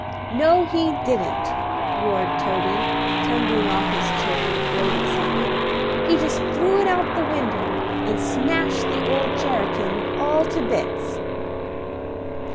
"No, he didn't," roared Toady, tumbling off his chair in great excitement. "He just threw it out a winder, and smashed the old cherakin all to bits."